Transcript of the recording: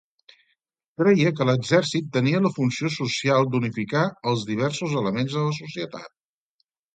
Creia que l'exèrcit tenia la funció social d'unificar els diversos elements de la societat.